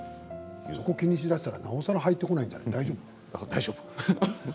それを気にしたらなおさら入ってこないんじゃない？